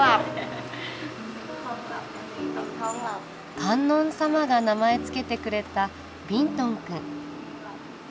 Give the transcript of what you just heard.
観音様が名前付けてくれたビントン君。